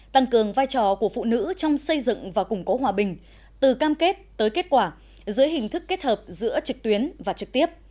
tăng cường vai trò của phụ nữ trong xây dựng và củng cố hòa bình từ cam kết tới kết quả dưới hình thức kết hợp giữa trực tuyến và trực tiếp